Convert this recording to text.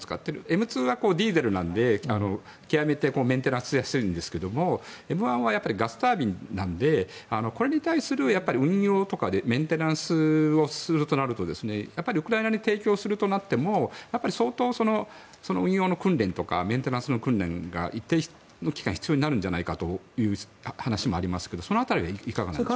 Ｍ２はディーゼルなので極めてメンテナンスしやすいんですけどＭ１はガスタービンなのでこれに対する運用とかメンテナンスをするとなるとやっぱりウクライナ側に提供するとなっても相当、運用の訓練とかメンテナンスの訓練が一定の期間必要になるんじゃないかという話もありますがその辺りはいかがでしょうか？